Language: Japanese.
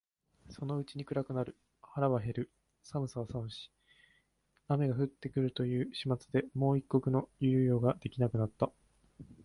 そのうちに暗くなる、腹は減る、寒さは寒し、雨が降って来るという始末でもう一刻の猶予が出来なくなった